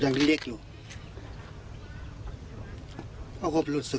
หว้าไม่ไหนผมอยากฆ่าอันนั้น